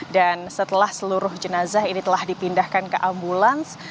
dan setelah seluruh jenazah ini telah dipindahkan ke ambulans